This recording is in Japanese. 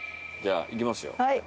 じゃあいきますよ